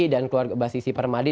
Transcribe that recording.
dan keluarga mbak sisi permadi